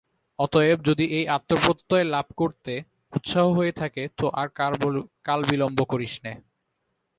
অতএব যদি এই আত্মপ্রত্যয় লাভ করতে উৎসাহ হয়ে থাকে তো আর কালবিলম্ব করিস নে।